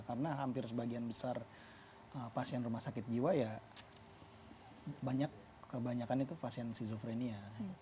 karena hampir sebagian besar pasien rumah sakit jiwa ya kebanyakan itu pasien skizofrenia